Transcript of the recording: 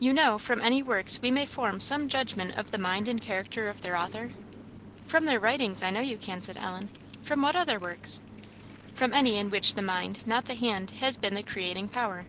"You know, from any works we may form some judgment of the mind and character of their author?" "From their writings, I know you can," said Ellen; "from what other works?" "From any which are not mechanical; from any in which the mind, not the hand, has been the creating power.